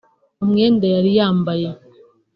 umwenda yari yambaye